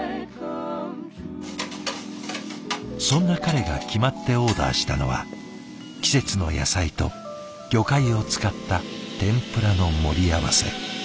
そんな彼が決まってオーダーしたのは季節の野菜と魚介を使った天ぷらの盛り合わせ。